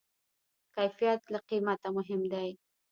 کیفیت له قیمته مهم دی.